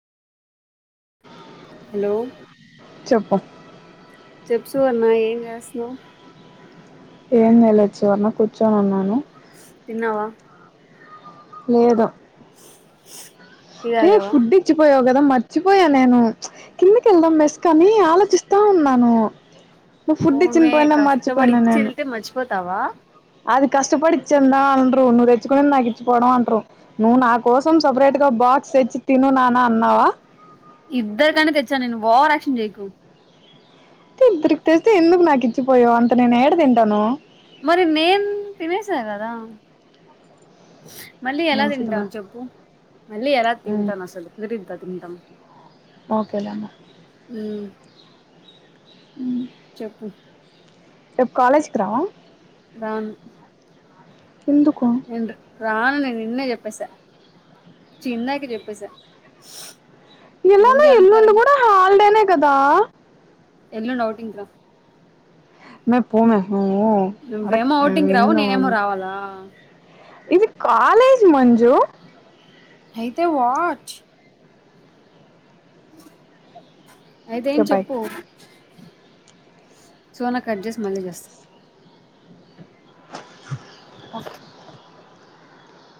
hello చెప్పు లో ఏం తెలొచ్చువన్నా కూర్చొని ఉన్నాను తిన్నావ లేదు టీ ఏ తాగావా ఫుడ్ ఇచ్చి పోయావ్ గా మర్చిపోయా నేను కింద కెళ్దాం మెస్క అని ఆలోచిస్తా ఉన్నాను నువ్వు పో ఫుడ్ ఇచ్చిన మే పోయినా కష్టపడి మర్చిపోయినా ఇచ్చి నేను వెళ్తే మర్చిపోతావా అది కష్టపడి ఇచ్చందా అనరు నువ్వు తెచ్చుకునే నాకు ఇచ్చివడం అంట్రు నువ్వు నా కోసం సపరేట్ బాస్ తేచి తిను నానా అన్నావా ఇద్దరకి అని తెచ్చా నేను ఓవర్ ఆక్షన్ చేయకు ఇద్దరికి తెస్తే ఎందుకు నాకు ఇచ్చిపోయో అంత నేను ఏడ తింటాను మరి నేను తినేసా కదా మళ్ళీ ఎలా తింటాం మంచిదమ్మా చెప్పు మళ్ళీ ఎలా తింటాను అసలు కుదిరిద్దా తింటాం ఓకేలామ హ ఉ చెప్పు రేపు కాలేజ్ కి రావ రాను ఎందుకు ఏం రానుం నిన్న చెప్పేసా ఇందాకే చెప్పేసా ఇలానే మళ్ళీ ఎల్లుండి అడుగుతావేం కూడా హాలిడేనే కదా ఎల్లుండు ఓటింగ్ కి మే పోమే నువ్వు అడక్ నువ్వేమో ఓటింగ్ రావు విన్ను నేనేమో రావాలా ఇది కాలేజ్ మంజు అయితే వాట్ ఆ అయితే ఏం ఓకే బాయ్ చెప్పు సోనా కట్ చేసి మళ్లీ చేస్తా ఓకే